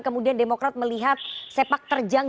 kemudian demokrat melihat sepak terjang